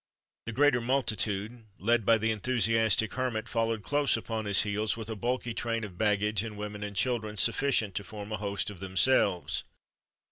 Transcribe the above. The greater multitude, led by the enthusiastic Hermit, followed close upon his heels, with a bulky train of baggage, and women and children sufficient to form a host of themselves.